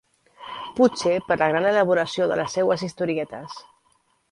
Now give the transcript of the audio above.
Potser per la gran elaboració de les seues historietes.